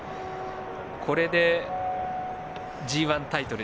これでＧＩタイトルＧＩ